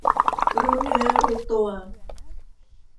รู้เนื้อรู้ตัว